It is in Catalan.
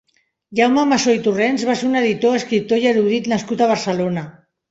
Jaume Massó i Torrents va ser un editor, escriptor i erudit nascut a Barcelona.